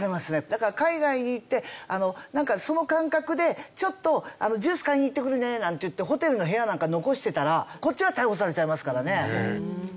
だから海外に行ってその感覚でちょっとジュース買いに行ってくるねなんて言ってホテルの部屋なんかに残してたらこっちが逮捕されちゃいますからね。